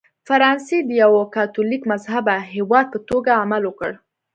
فرانسې د یوه کاتولیک مذهبه هېواد په توګه عمل وکړ.